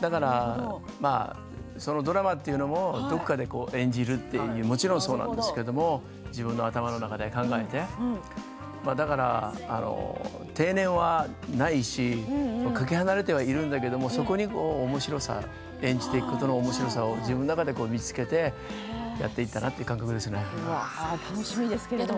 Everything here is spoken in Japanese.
だから、そのドラマというのをどこかで演じるというもちろんそうなんですけど自分の頭の中で考えてだから、定年はないしかけ離れてはいるんだけどそこにおもしろさ演じていくことのおもしろさを自分では見つけてやっていくかな楽しみです。